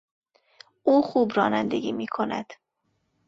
او خوب رانندگی میکند.